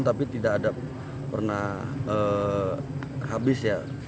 tapi tidak ada pernah habis ya